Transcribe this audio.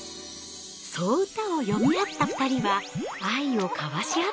そう歌を詠み合った二人は愛を交わし合ったそうな。